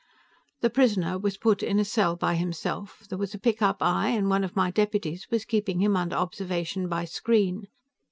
"The prisoner was put in a cell by himself; there was a pickup eye, and one of my deputies was keeping him under observation by screen."